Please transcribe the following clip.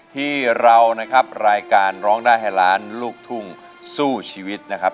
ที่เรานะครับรายการร้องได้ให้ล้านลูกทุ่งสู้ชีวิตนะครับ